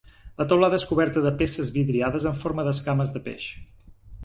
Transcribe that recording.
La teulada és coberta de peces vidriades en forma d'escames de peix.